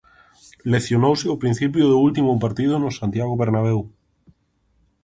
Lesionouse o principio do último partido no Santiago Bernabeu.